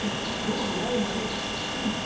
ドアの前まで直進。